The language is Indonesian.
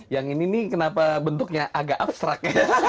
yang ini nih kenapa bentuknya agak abstrak